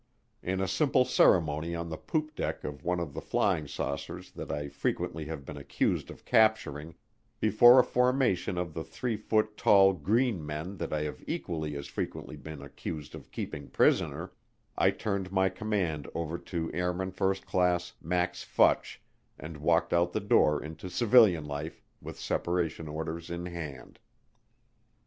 In a simple ceremony on the poop deck of one of the flying saucers that I frequently have been accused of capturing, before a formation of the three foot tall green men that I have equally as frequently been accused of keeping prisoner, I turned my command over to Al/c Max Futch and walked out the door into civilian life with separation orders in hand.